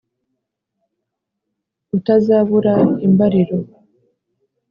utazabura imbariro